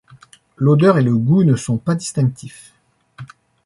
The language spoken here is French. L'odeur et le goût ne sont pas distinctifs.